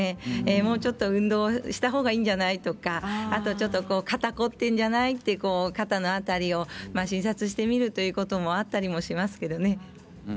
もうちょっと運動したほうがいいんじゃない？とかあと、ちょっと肩凝ってるんじゃない？とか肩の辺りを診察してみるということもあったりしますね。